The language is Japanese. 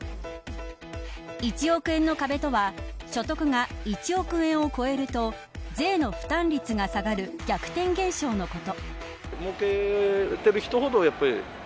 １億円の壁とは所得が１億円を超えると税の負担率が下がる逆転現象のこと。